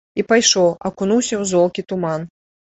І пайшоў, акунуўся ў золкі туман.